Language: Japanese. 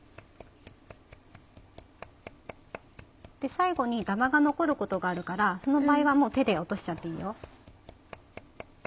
最後にダマが残ることがあるからその場合はもう手で落としちゃっていいよ。